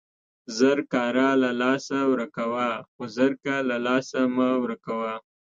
زر کاره له لاسه ورکوه، خو زرکه له له لاسه مه ورکوه!